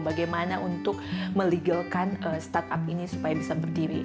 bagaimana untuk melegalkan startup ini supaya bisa berdiri